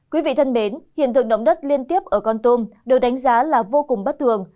quý vị thân mến hiện tượng động đất liên tiếp ở con tum được đánh giá là vô cùng bất thường